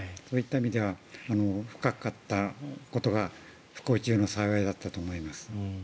そういう意味では深かったことが不幸中の幸いだったと思います。